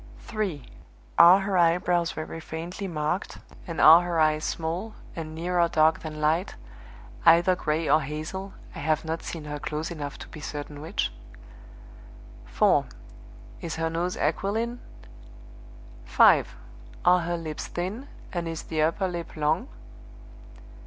3. Are her eyebrows very faintly marked, and are her eyes small, and nearer dark than light either gray or hazel (I have not seen her close enough to be certain which)? 4. Is her nose aquiline? 5 Are her lips thin, and is the upper lip long?